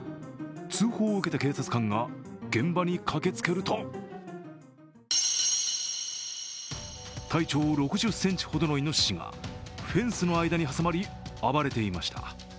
通報を受けた警察官が現場に駆けつけると体長６０ｃｍほどのいのししがフェンスの間に挟まり暴れていました。